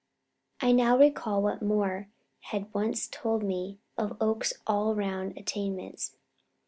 I now recalled what Moore had once told me of Oakes's all round attainments.